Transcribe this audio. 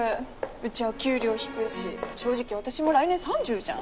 うちは給料低いし正直私も来年３０じゃん？